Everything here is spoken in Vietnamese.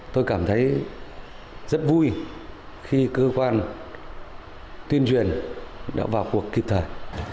tôi cảm thấy rất vui khi cơ quan tuyên truyền đã vào cuộc kịp thời